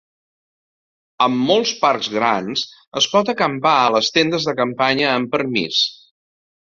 En molts parcs grans, es pot acampar a les tendes de campanya amb permís.